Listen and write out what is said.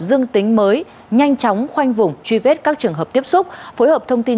dương tính mới nhanh chóng khoanh vùng truy vết các trường hợp tiếp xúc phối hợp thông tin